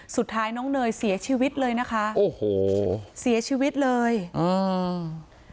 สุดท้ายน้องเนยเสียชีวิตเลยนะคะโอ้โหเสียชีวิตเลยอืม